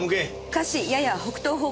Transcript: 下肢やや北東方向。